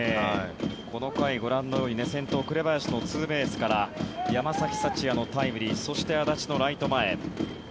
この回、ご覧のように先頭の紅林のツーベースから山崎福也のタイムリーそして安達のライト前。